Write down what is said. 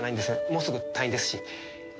もうすぐ退院ですし。